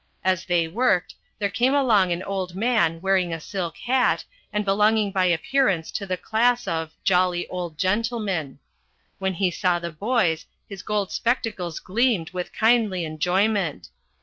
As they worked, there came along an old man wearing a silk hat, and belonging by appearance to the class of "jolly old gentlemen." When he saw the boys his gold spectacles gleamed with kindly enjoyment.